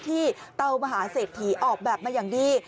ที่เตามหาเสถีออกแบบมาอย่างดี